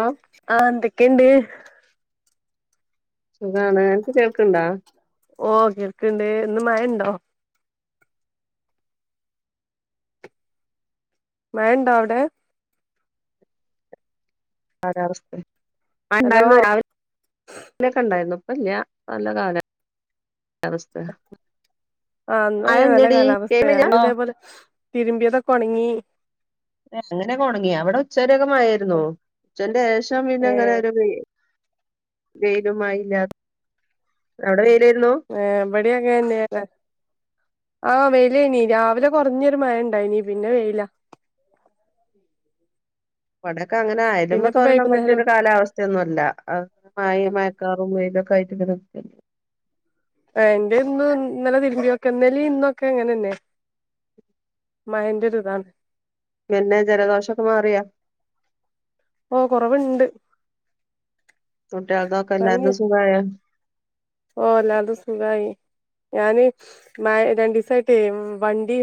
ആ ആഹ എന്തക്കെണ്ട് സുഖാണ് അനക് കേൾക്നുണ്ടോ ഓ കേൾക്ണ്ട് ഇന്ന് മയ ഇണ്ടോ മഴണ്ടോ അവിടെ പരറസ് [unintelligible] ആ ഹലോ ഉണ്ടായിരുന്നു രാവിലൊക്കെ ഉണ്ടായിരുന്നു ല്ല നല്ല കാല അവസ്ഥ ആ ഇന്ന് അങ്ങനെല്ല നല്ല കേൾക്ക്ണില്ല കാലാവസ്ഥയാണ് ഇതേപോലെ തിരുമ്പിയതൊക്കെ ഒണങ്ങി എ അങ്ങനെ ഒണങ്ങിയോ അവിടെ ഉച്ച ക്കൊക്കെ മയായിരുന്നൂ ഉച്ചന്റെ ശേഷം പിന്നെ അങ്ങനെ ഏഹ് ഒരു പെയ് വെയിലും മയിയില്ലാ അവിടെ വെയ് ആ ഇവിടെ അങ്ങനെ ല്ല ആഹ വെയിൽ ല്ലേനീ രാവിലെ കുറഞ്ഞൊരു മഴ ഇണ്ടായിനീ പിന്നെ വെയിലില്ല പഠ ഇക്ക അങ്ങനെ അയലിമ്പ തോരിടാൻ പറ്റിയ വൈകുന്നേരം ഒരു കാലാവസ്ഥയൊന്നുല്ല ആ മഴീ മയക്കാറും വരും കായിട്ട എന്റെ ഇന്ന ഇന്നലെ തിരുമ്പിോക്ക എന്നല ഇന്നൊക്കെ എങ്ങനെന്നെ മഹേന്റെ ഒ ഒരു ഇതാണ് പിന്നെ ജലദോഷൊക്കെ മാറിയാ ഓ കൊറവുണ്ട് ട്ടതക്കല്ലാ ദ സുഖ ഓ അല്ലാതും സുഖമായി ഞാന് രണ്ട ദിവസായിട്ടേ വണ്ടി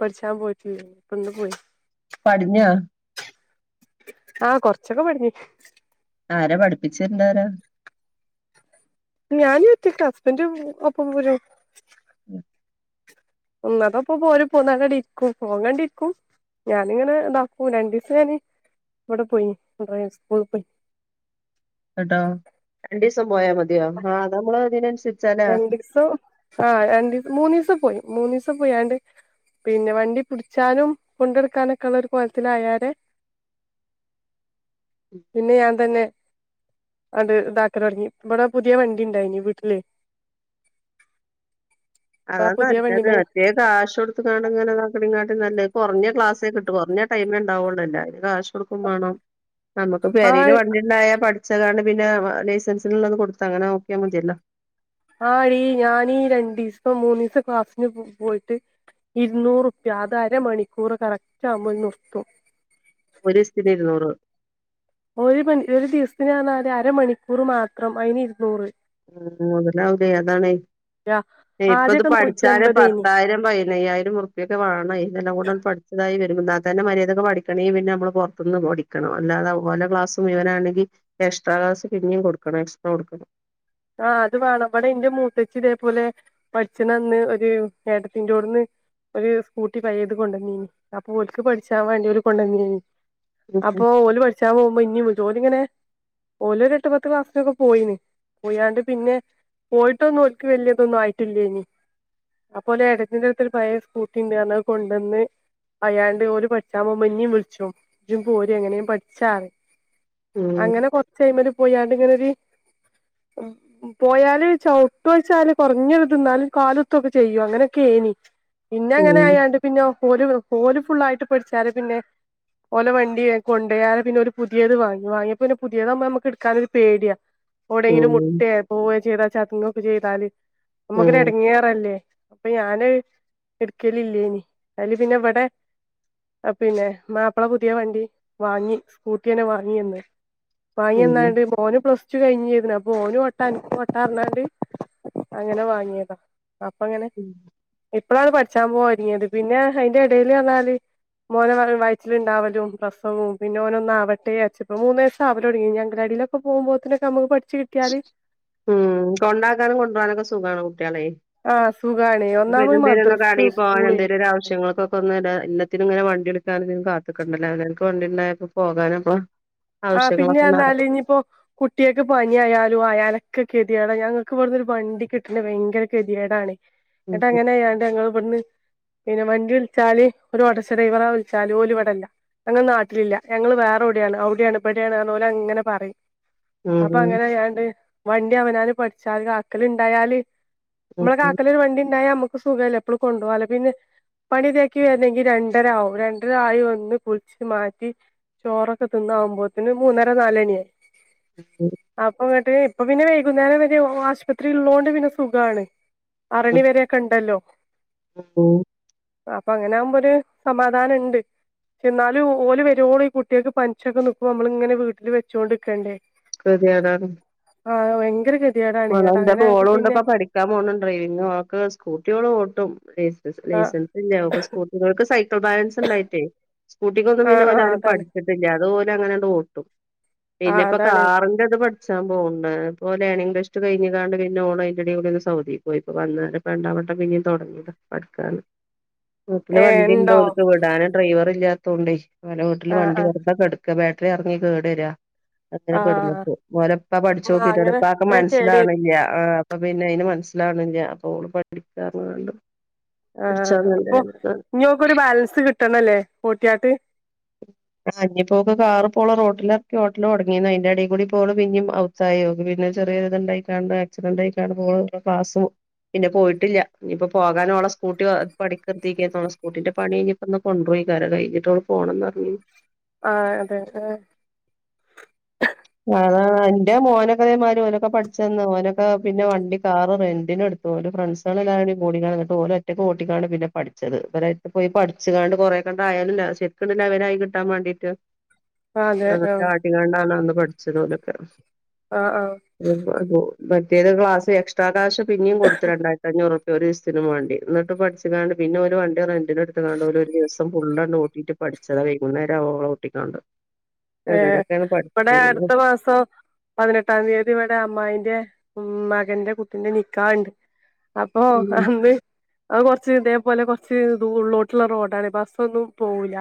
പഠിച്ചാൻ പോയിട്ടുട്ടൊന്ന് പോയി പടിഞ്ഞ ആഹ് കൊറച്ചൊക്കെ പടിഞ്ഞ ആര പഠിപ്പിച്ചിരണ്ടരോ ഞാനും എറ്റ ഹസ്ബൻഡ ഒപ്പം പോര ഉം ഒന്നതപ്പോ പോര് പോന്നടി ഇരിക്കും പോങ്ങാണ്ടി ഇരിക്കും ഞാനിങ്ങനെ ഇതാക്കും രണ്ടു ദിവസം ഞാന് ഇവിടെ പോയി എന്ത സ്കൂളിൽ പോയി കേട്ടാ രണ്ട് പോയാ മതിയോ ആ നമ്മ അതിന രണ്ടു ദിവസം ആ രണ്ടിവസം മൂന്നു ദിവസം പോയി മൂന്നു ദിവസം പോയാണ്ട് പിന്നെ വണ്ടി പിടിച്ചാനും കൊണ്ടെടുക്കാനൊക്കെ ഉള്ള ഒരു കൊലത്തില ആായരെ പിന്നെ ഞാൻ തന്നെ അണ്ട് ഇതാക്കൻ തുടങ്ങി ഇവിടെ പുതിയ വണ്ടി ഉണ്ടായിനി വീട്ടില് അപ്പൊ അതാ ആ പുതിയ നല്ലത് വണ്ടിമ്മെ അറ്റേ കാശ് കൊടുത്ത് കാണ ഇങ്ങനെ നടിങ്ങാട്ടി നല്ല കുറഞ്ഞ ക്ലാസ് കിട്ട കുറഞ്ഞടൈമ ഉണ്ടാവുകുള്ള ടുക്കും വേണം നമുക്ക് പരൽ ആഹ് വണ്ടിണ്ടായ പഠ ഉകാരണ്ട് പിന്നെ ലൈസൻസില ഒന്ന് കൊടുത്ത അങ്ങനെ നഓക്കിയാ മതിയല്ലോ ആഴീ ഞാനീ രണ്ട ദിവസം മൂന്ന് ദിവസം ക്ലാസ്സിന് പോയിട്ട് ഇരുന്നൂറുപ്യ അത് അരമണിക്കൂറ് കറക്റ്റ് ആമ്പോൾ നിർത്തും ഒരു സ്ഥിതി ഇരുന്നൂറ് ഒരു മി ഒരു ദിവസത്തിനാന്നല് അരമണിക്കൂർ മാത്രം അയിന് ഇരുന്നൂറ് ഉ മുതലാവതെ അതാണ് ര ഇപ്പ ഇത് ആദ്യൊക്കെ നൂറ്റി പഠിച്ചാല് അൻപതേനി പത്തായിരം പതിനയ്യായിരം മുറുപ്പിയൊക്കെ വേണം ഇതെല്ലാം കൂടെ പഠിച്ചതായി വര ന്നാത്ത തന്നെ മര്യാദക്ക്‌ പഠിക്കണെങ്കി പിന്നെ അമ്മള് പൊ ർത്ത്ന്ന് പഠിക്കണം അല്ലാതെ ഓലെ ക്ലാസ്സ് മുഴുവനാണെങ്കി എക്സ്ട്രാ ക്ലാസ് ഇഞ്ഞും കൊടുക്കണം എക്സ്ട്രാ കൊടുക്കണം ആഹ അത് വേണംവിടെ എൻന്റെ മൂത്തച്ചി ഇതേപോലെ പഠിച്ചണ അന്ന് ഒരു ഏടത്തിറോടുന്ന് ഒരു സ്കൂട്ടി പയ്യത് കൊണ്ടന്നീനി ആ പോലക്ക് പഠിച്ചാൻ വേണ്ടില കൊണ്ടന്നീനി അപ്പൊ ഓല് പഠിച്ചാ പോവ്മ്പോ ഇന്നിം വുൽച്ചും ഓലിങ്ങനെ ഓലൊരു എട്ട് പത്ത് ക്ലാസ്സിനൊക്കെ പോയിന് പോയാണ്ട് പിന്നെ പോയിട്ടൊന്നും ഓല്ക്ക് വല്യതൊന്നും ആയിട്ടില്ലേനി അപ്പൊ ഓല് ഏട്ടത്തിന്റെ അടുത്ത് ഒരു പയ സ്കൂട്ടി ഉണ്ട് അർഞ് കൊണ്ടന്ന് അയാണ്ട് ഓര് പഠിച്ചാ പോവുമ്പം ഇഞ്ഞീം വിളിച്ചും ഇജ് പോര് എങ്ങനെയും പഠിച്ചാർഞ് ഉം അങ്ങനെ കൊറച്ച അഴ്മ ഒരു പോയാണ്ട് ഇങ്ങനെര് പോയാല് ചൗട്ടോയ്ച്ചാല് കുറഞ്ഞരുത് ന്നാലും കാലത്തൊ ക്കെ ചെയ്യും അങ്ങനെയൊക്കെ ഏനി പിന്നെ അങ്ങനെ ഉം ആയാണ്ട് പിന്നെ ഓല് ഓല് ഫുള്ളായിട്ട് പഠിച്ചാരെ പിന്നെ ഓല വണ്ടി കൊണ്ടയാരെ പിന്നെ ഒരു പുതിയത് വാങ്ങി വാങ്ങിയപ്പോ പിന്നെ പുതിയത് നമ്മുക്ക് എടുക്കാനൊരു പേടിയാ ഉം പോവ ചെയ്താ ചത്ങ്ങൊക്കെ ചെയ്താല് നമ്മുക്കരു ഉം എട്ങ്ങേറല്ലേ അപ്പൊ ഞാന് അഅ് ഇട്ക്കലില്ലേ നി അയില് പിന്നെ ഇവിടെ പിന്നെ മാപ്പിള പുതിയ വണ്ടി വാങ്ങി സ്കൂട്ടിന്നെ വാങ്ങിന്ന് ഉം വാങ്ങിയന്നാണ്ട് മോന് പ്ലസ് റ്റു കഴിഞ്ഞേതിനാ മോന് ഓട്ട അൻക് ഓട്ട ർഞ്ഞണ്ട് അങ്ങനെ വാങ്ങിയതാ അപ്പങ്ങനെ ഉം ഇപ്പോഴാണ് പഠിച്ചാൻ പോവാനൊരുങ്ങിയത് പിന്നെ അയി ന്റെ എടേല് ർന്നാല് മോന വായറ്റിലിണ്ടാവലും പ്രസവും പിന്നെ ഓന ഒന്നാവട്ടെ അച്ച് ഇപ്പോ മൂന്നയസ് ആവലൊട്ങ്ങി ഇഞ് അംഗലാടീലൊക്കെ പോകുമ്പോത്ത്ന് ഞമ്മക്ക് പഠിച്ച് കിട്ടിയാല് മ് കൊണ്ടാക്കാനും കൊണ്ട് പോവാനൊക്കെ സുഗാണ്. ക്കാണേ ആഹ് സുഖാണ് ഒന്നാമത് പിന്നെന്തേലൊന്ന് മദ്രസ് കടേൽ പോകാൻ സ്കൂള് എന്തേലൊരു ആവശ്യങ്ങളകൊക്കൊന്നിടാ എല്ലാത്തിങ്ങന വണ്ടിയെടു ണ്ടാണിത് കാത്ത്ക്കണ്ടല്ലോ അവ് നാൻക്ക്‌ വണ്ടിണ്ടായപ്പോ പോകാനുംപ്പള് ആ പിന്നെ എന്നാലിനിയിപ്പോ കുട്ടിയേക്ക് പ നി ആയാലും അയാലൊക്ക കെതിയടാ ഞങ്ങൾക്ക് ഇവ്ട് ന്നൊരു വണ്ടി കിട്ടണെ ഭയ്ങ്കര കെതിയേടാണ് ഉം എന്നിട്ടങ്ങനെയാണ്ട് ഇങ്ങള് ബട്ന്ന് പിന്നെ വണ്ടി വിളിച്ചാല് ഒരു ഓട്ടോറിഷ ഡ്രൈവറ വിളിച്ചാല് ഓല് ഇവിടല്ല ഞങ്ങൾ നാട്ടിലില്ല ഞങ്ങള് വേറെ എവിടെയാണ് അവിടെയാണ് എവിടെയാണോല് അങ്ങന പറയും അപ്പൊ ഉം അങ്ങനയാണ്ട് വണ്ടി അവനാന് പഠിച്ചാല് ആക്കല് ഇണ്ടായാല് ഉം മ്മള കാക്കലൊരു വണ്ടി ഇണ്ടായ മ്മ പ്പ സുഖല്ല എപ്പളും കൊണ്ടു പോകലൊക്ക പിന്നെ പണി മതിയാ ക്കി വരണങ്കിൽ രണ്ടരാവും രണ്ടര ആയി ഒന്ന് കുളിച്ച് മാറ്റി ചോറൊക്ക തിന്നാവുമ്പോ പിന്നെ മൂന്നര നാലണിയേ ഉം അപ്പൊ ദോ ഇപ്പൊ പിന്നെ വൈകുന്നേരം വരെ ആശുപത്രി ഉള്ളോണ്ട് പിന്നെ സുഖാണ്. ആറണിവരെക്കണ്ടല്ലോ ഹോ അപ്പൊ അങ്ങനെ ആവുമ്പോരു സമാധാനുണ്ട് പക്ഷെ എന്നാലും ഓല് വരുവോളൂ ഈ കുട്ടിയൾക്ക് പനിച്ചൊക്ക ഒന്നു ഇപ്പ നമ്മളിങ്ങ വീട്ടില് വച്ചോണ്ടിക്കണ്ടേ ക്ക് [unintelligible] താണ്. ആ ഫയ്ങ്കര. എന്റെ മോളുണ്ട് ഇപ്പോ പഠിക്കാൻ പോന്ന് ഡ്രൈവിങ് അവൾക് സ്കൂട്ടി അവൾ തും ടെസ് ആഹ് ലൈസൻസ് ഇല്ല അവക്ക് സ്കൂട്ടി ഇവൾക്ക് സൈക്കിൾ ബാലൻസ് ഇണ്ടായിട്ടേ സ്കൂട്ടിക്ക് ഒന്നും പിന്നെ ആഹ് ആഹ് ഓലാരും അതാണ് പഠിച്ചിട്ടില്ലഅത് ഓല് അങ്ങനെ ഓട്ടും. ആഹ് പിന്നെപ്പോ അതാണ് കാറിന്റെത് പഠിച്ചാ പോവും. മ് പോലാണെങ്കി ഷ് ഉച്ച കഴിഞ്ഞ് കാണ്ട് പിന്നെ ഓളോയിന്റെ കൂടെ ഒന്ന് സൗദിൽ പോയിപ്പോ വന്നേര രണ്ടാവട്ടം പിന്നും തുടങ്ങിയതാ പഠിക്കാന്ന്. കോപ്പുല ഏഹ് വണ്ടി ഇണ്ടോ ഉണ്ടോക്ക് വിടാനും ഡ്രൈവർ ഇല്ലാ ത്തുണ്ടേ വല ഹോട്ടൽലും ആഹ് വണ്ടി ആഹ് നിർത്താൻ പാട് ബാറ്ററി ഇറങ്ങി കേട് വരാ. അങ്ങനെ ആഹ് [unintelligible] മലപ്പാ പഠിച്ചോ ആഹ് അങ്ങനെ പിരോടപ്പക്കെ വേം മന [unintelligible] കേട് വരും ആഹ്. അപ്പൊ പിന്നെ അതിന് മനസ്സിലാണില്ല അപ്പൊ ഓള് പഠിക്കാ പറഞ്ഞ് കണ്ട്. ആഹാ അപ്പൊ [unintelligible] ബാലൻസ് കിട്ടണല്ലേ പോട്ടിയാട്ട്. ആ ഇനിപ്പൊക്കെ കാറി പോളെ റോട്ടിലിറക്കി ഓട്ടല് തുടങ്ങിന്ന് അതിന്റെ ഇടയിൽ കൂടി പോണേ പിന്നേ [unintelligible] പിന്നെ ചെറിയ ഇണ്ടായിക്കാണ്ട് ആക്സിഡന്റ് ആയി പോവാ [unintelligible] പിന്നെ പോയിട്ടില്ല ഇയിപ്പോ പോകാനോഓടെ സ്കൂട്ടി പഠിക്കത്തിക്ക സ്കൂട്ടീന്റെ പണി കിഞ്ഞപ്പോന്ന് കൊണ്ടുപോയിക്കാരോ കഴിഞ്ഞിട്ട പോണെന്ന് പറഞ്ഞ്. ആ അതെ അതെ ആ എന്റെ മോനൊക്കതേമാര് ഓനൊക്കെ പഠിച്ചന്നാ ഓനൊക്കെ പിന്നെ വണ്ടി കാറ് റെന്റിന് എടുത്തു ഓന്റെ ഫ്രണ്ട്‌സ് എല്ലാരും കൂടിക്കിട്ട് ഓന്റെ ഒറ്റക്കെ ഓട്ടിക്കാ പിന്നെ പഠിച്ചത് [unintelligible] പോയി പഠിച്ചു കണ്ട് കൊറെക്കണ്ട് ആയാലും ശരിക്ക ലെവൽ കിട്ടാൻ വേണ്ടീട്ട് അതെ ആ ആഹ് [unintelligible] [unintelligible] [unintelligible] ആഹ് ആഹ് മറ്റേത് ക്ലാസ്സ്‌ എക്സ്ട്രാ. [unintelligible] പിന്നെയും കൊടുത്ത് രണ്ടായിരത്തിഞ്ഞൂറ്. ഒരു ദിവസത്തിനും വണ്ടി എന്നിട്ട് പഠിച്ച കാണ്ട് പിന്നെ ഒരു വണ്ടി റെന്റിന് എടുത്ത് കാണ്ട് ഒരു ദിവസം ഫുള്ളാണ് ഊട്ടിട്ട് പഠിച്ചതാ വൈകുന്നേരം ആവോളം ഓട്ടിക്കാണ്ട്. ഏ അങ്ങനൊക്കെയാണ് ഇവിടെ പഠിച്ചത് അടുത്ത മാസം. പതിനെട്ടാം തീയതി ഇവിടെ അമ്മായിന്റെ ഉം മകന്റെ കുട്ടീന്റെ നിക്കാഹുണ്ട്. അപ്പൊ ഉം അന്ന് അത് കൊറച്ച് ഇതേപോലെ കൊറച്ച് ഉള്ളോട്ടുള്ള റോഡാണ് ബസ്സ് ഒന്നും പോവൂല്ല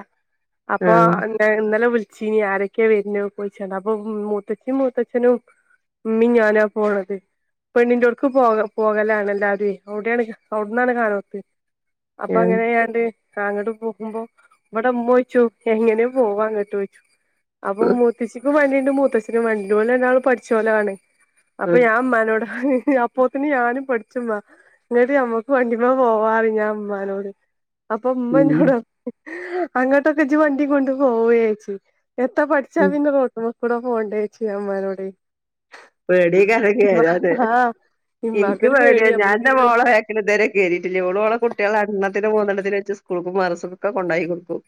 അപ്പൊ ആഹ് ഇന്നലെ വി ചച്ചീനി ആരൊക്കെയാ വരുന്നേ പോയിച്ചണ്ട അപ്പൊ മൂത്തച്ചീും മൂത്തച്ഛനും ഉമ്മി ഞാനാ പോണത് പെണ്ണിറ്റോർക്ക് പോക പോകലാണ് എല്ലാവാരും അവിടെയാണ് അവിടന്നാണ് കാണാത്ത് അപ്പൊ അങ്ങനെയാണ്ട് അങ്ങോട്ട് പോകുമ്പോ ഇവിടെ ഉമ്മ ചോയിച്ചു എങ്ങനെയാ പോവാ അങ്ങോട്ട് അപ്പൊ ആഹ് മുത്തശ്ശിക്കും അനി മൂത്തച്ഛനും വണ്ടി പോലെ [unintelligible] പഠിച്ചോലാണ് അപ്പൊ ഞാൻ അമ്മാനോട് അപ്പോത്തിന് ഞാനും പഠിച്ചമ്മ എന്നിട്ട് നമ്മക്ക് വണ്ടിമ്മാ പോവാറ ഞാൻ അമ്മാനോട് അപ്പം ഉം ഉമ്മഞ്ഞോട അങ്ങോട്ടൊക്കെ [unintelligible] വണ്ടി കൊണ്ട് പോവയേച്ചി എത്ര പഠിച്ചാ ഉം പിന്നെ [unintelligible] കൂടെ പോണ്ടേച്ചി [unintelligible] മാരോട് പേടി [unintelligible] കേയറാനെ ആഹ് എനിക്ക് ഇമ്മാക്കൊരു പേടിയാ പേടി ഞാൻ എന്റെ നമ്മളിങ്ങനെ വണ്ടി മോളെ ബാക്കില് ഇതുവരെ കയറിട്ടില്ല ഓള് മോളെ കുട്ടികളെ എണ്ണത്തിന് മൂന്നെണ്ണത്തിന് വെച്ച് സ്കൂ കൊടുക്കും [unintelligible] ഉണ്ടാക്കി കൊടുക്കും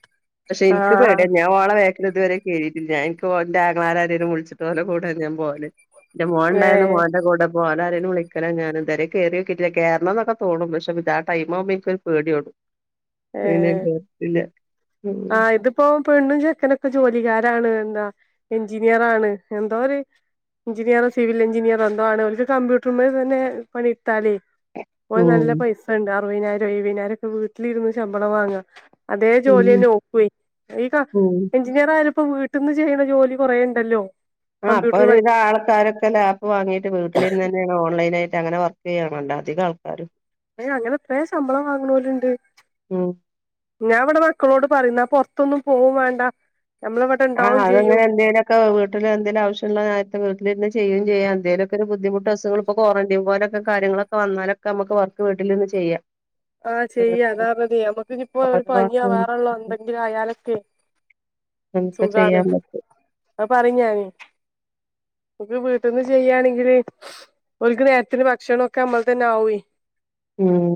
പക്ഷെ എനിക്ക് ആഹ് പേടിയാ ഞാൻ അവളെ ഇതുവരെ കേറിയിട്ടില്ല ഞാൻ എനിക്ക് എന്റെ ആങ്ങളമാരേ വിളിച്ചിട്ട് പോലെ അവരുടെ കൂടേ ഞാൻ പോവാറ്. എന്റെ മോൻ ഉണ്ടായിരുന്നു ഏഹ് മോന്റെ കൂടെപ്പോരാരും വിളിക്കണം ഞാൻ എന്തും കയറിട്ടില്ല കയറണന്നൊക്കെ തോന്നും പക്ഷേ വ ആ ടൈം ആവുമ്പോ എനിക്ക് പേടി [inaudible] ഏ ഉം ആ ഇത് ഇപ്പോ പെണ്ണും ചെക്കനൊക്കെ ജോലിക്കാരാണ് എന്താ എഞ്ചിനീയറാണ് എന്തോ ഒരു എഞ്ചിനീയറോ സിവിൽ എഞ്ചിനീയർ എന്തോ ആണ് അവർക്ക് കമ്പ്യൂട്ടറുമേ തന്നെ പണി എടുത്താല് ഓ ഉം നല്ല പൈസ ഉണ്ട് [inaudible] ഒക്കെ വീട്ടിലിരുന്നു ശമ്പളം വാങ്ങ അതേ ഉം ജോലി തന്നെ നോക്കു ഉം. എഞ്ചിനീയർ ആയാലും ഇപ്പൊ വീട്ടിൽ നിന്ന് ചെയ്യുന്ന ജോലി കുറേയുണ്ടല്ലോ ആ അപ്പൊ ഒരു വിധം ആൾക്കാരൊക്കെ ലാപ്പ് വാങ്ങീട്ട് വീട്ടിൽ നിന്ന് തന്നെയാണ് ഓൺലൈൻ ആയിട്ട് അങ്ങനെ [inaudible] അധികം ആൾക്കാർ അങ്ങനെ എത്രയും ശമ്പളം വാങ്ങണോർ ഉണ്ട് ഉം ഞാൻ അവിടെ മക്കളോട് പറയുന്ന പൊറത്തൊന്നും പോവേണ്ട ആ അത് ഇങ്ങനെ എന്തെങ്കലൊക്കെ വീട്ടിൽ എന്തേങ്കിലും ആവശ്യമുള്ളത്തെ [inaudible] ചെയ്യും ചെയ്യാം എന്തേലൊക്കെ ഒരു ബുദ്ധിമുട്ട് അസുഖം ഇപ്പ ക്വാറന്റൈൻ പോലൊ കാര്യങ്ങളൊക്കെ വന്നാലൊക്കെ നമ്മുക്ക് വർക്ക് വീട്ടിൽ ഇന്ന് ചെയ്യാം. ആ ചെയ്യ ഉം. അതാ അതി നമ്മുക്ക് ഇനിയിപ്പോ ഒരു ഓരോ ഉം. പനിാവാറുള്ളോ എന്തെങ്കിലും ആയാലൊക്കെ നമുക്ക് സുഖാണ് ചെയ്യാൻ പറ്റും അത് പറഞ്ഞാന് [inaudible] വീട്ടിൽ നിന്ന് ചെയ്യാണെങ്കിൽ ഓർക്ക് നേരത്തിന് ഭക്ഷണമൊക്കെ നമ്മൾ തന്നെ ആവേ ഉം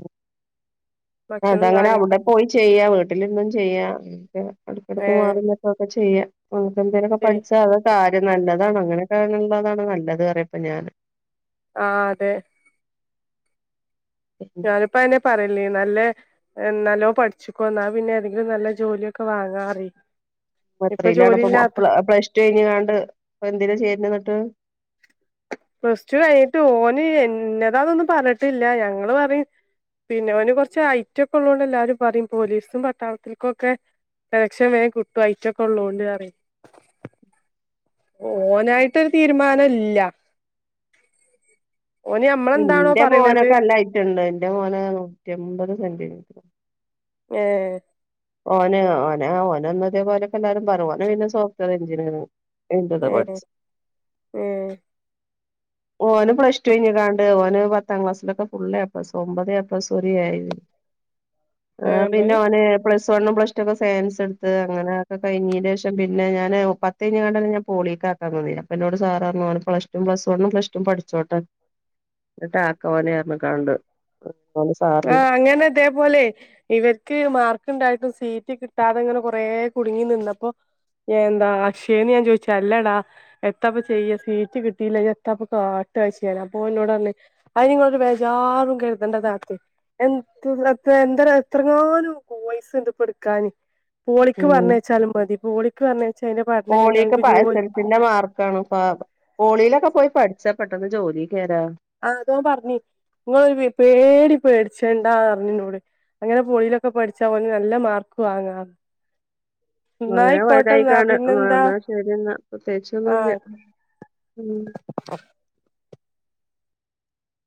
അതാ ഭക്ഷണവും അങ്ങനെ അവിടെ കാര്യങ്ങളൊക്കെ പോയി ചെയ്യാം വീട്ടില് ഇരുന്നും ചെയ്യാം [inaudible] ഇടക്കിടയ്ക്ക് മാറി [unintelligible] ചെയ്യ [inaudible] എന്തേലൊക്കെ ഏഹ് പഠിച്ചാ അത് താ നല്ലതാണ് അങ്ങനെൊക്കാനുള്ളതാണ് നല്ലത് പറയപ്പ ഞാന് ആഹ് അതെ ഞാന് ഞാനിപ്പ അഹന്നെ പറി നല്ലെ നല്ലോ പഠിച്ക്കോ ഇന്നാ പിന്നെ ഏതെങ്കിലും നല്ല ജോലിയൊക്കെ വാങ്ങാറ്യ എത്രേല്ലാണ് അപ്പൊ പ്ലസ്ടു കഴിഞ് കാണ്ട് ഇപ്പോ എന്തില്ല ചെയേണേ എന്നട്ട് പ്ലസ്ടു കഴിഞ്ഞിട്ട് ഓന് എന്നതാ അതൊന്നും പറഞ്ഞിട്ട്ല്ല ഞങ്ങൾ പറയും പിന്നെ ഓന് കൊറച്ച് ഹൈറ്റ് ഒക്കെ ഉള്ളോണ്ട് എല്ലാരും പറയും പോലീസും പട്ടാളത്തിൽ ക്കൊക്കെ സെലക്ഷൻ വേഗം കിട്ടും ഹൈറ്റൊക്കെ ഉള്ളോണ്ട് പറയും. ഓനായിട്ടൊരു തീരുമാനം ഇല്ല ഓന് നമ്മളെന്താണോ ഇന്റെ പറയ്ണത് മോനൊക്കെ നല്ല ഐറ്റ്ണ്ട് ഇന്റെ മോന് എമ്പത് സെന്റിമീറ്ററ് ഏഹ് ഓന ഓന ഓനന്നതേപോലെൊക്കെ എല്ലാരും പറു ഓനെ പിന്നെ സോഫ്ററ്റുവയെർ എഞ്ചിനീയറാ ഏഹ് എഹ് ഓന് പ്ലസ് ടു കഴിഞ് കാണ്ട് ഓന് പത്താം ക്ലാസ്സിലൊക്കെ ഫുള് എപ്ലസ് ഒമ്പത് എപ്ലസും ഒരു എ യും ആഹ് ഏഹ് പിന്നെ ഇബന് ഓന് വണ്ണും പ്ലസ്ടു ഒക്കെ സെയൻസ് എടുത്ത് അങ്ങനെയോക്കെ കഴിഞ്ഞേന്റേശം പിന്നെ ഞാന് പത്ത് കഴിഞ് കാണ്ടെ ഞാൻ പോളീക്ക് ആക്കാൻ ന്നിന്നി നി അപ്പൊ എന്നോട് സ്റാറ്ഞ്ഞു പ്ലസ് വണ്ണും പ്ലസ് ടു പടിച്ചോട്ടെ എന്നട്ട് ആക്വാ ഓനെ റ്ഞ്ഞ് ക്കാണ്ട് ആഹ് അങ്ങനെ അതേപോലെ ഇവെർക്ക് മാർക്കുണ്ടായിട്ട് സീറ്റ് കിട്ടാതെങ്ങനെ കൊറേ കുടുങ്ങി നിന്നപ്പോ ഞാൻന്താ അക്ഷയേന്ന് ഞാൻ ചോയിച് അല്ലടാ എത്തപ്പ ചെയ്യ സീറ്റ് കിട്ടിയില്ല എത്തപ്പ കാട്ടച്ചൻ അപ്പൊ ഒൻ ന്നോടർഞ് അയിന്ങ്ങളരു ബേജാറും കരുതേണ്ടതാത്തെ. എൻ ത്ര ത്ര എന്തര എത്രങ്ങാനും കോയിസ്ണ്ട് പടുക്കാന്. പോളിക്ക് ഉം പർഞേച്ചാലും മതി. പോളിക്ക് പർഞേ പോളിയൊക്കെ പസരത്തിന്റെ മാർക്കാണ് പ പോളിയിലൊക്കെ പോയി പഠിച്ച പെട്ടെന്ന് ജോലി കേറാ ആതോം പർഞ് ങ്ങളൊരു വി പേടി പേടിച്ചണ്ടാർഞ്ഞിനോട്. അങ്ങനെ പൊളിയിലൊക്കെ പഠിച്ചാ ഓന് നല്ല മാർക്ക് വാങ്ങാ ന്നങ്ങനെ വയതായി ന്നായിക്കോട്ടെന്നാ കാണ് പിന്നെന്താ വന്നാ ശരിന്നാ പ്രത്യേകിച്ചൊന്നുല്ല ആഹ് ഉം